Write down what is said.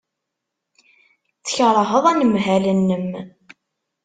Tkeṛheḍ anemhal-nnem.